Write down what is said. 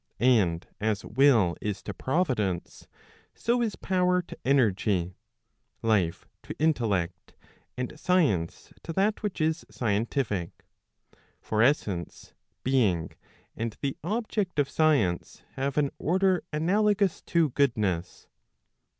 And as will is to providence, so is power to energy, life to intellect, and science to that which is scientific. For essence, being, and the object of science, have an order analogous to goodness.